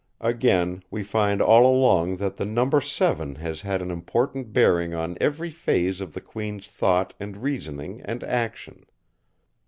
Again, we find all along that the number seven has had an important bearing on every phase of the Queen's thought and reasoning and action.